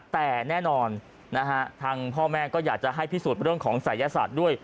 แต่แน่นอนนะฮะทางพ่อแม่ก็อยากจะให้พิสูจน์เรื่องของศัยศาสตร์ด้วย